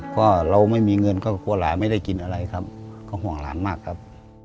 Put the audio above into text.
ก็เราไม่มีเงินก็กลัวหลานไม่ได้กินอะไรครับก็ห่วงหลานมากครับ